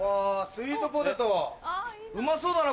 スイートポテト・うまそうだな